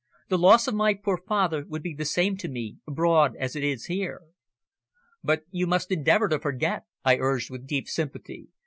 The loss of my poor father would be the same to me abroad as it is here." "But you must endeavour to forget," I urged with deep sympathy.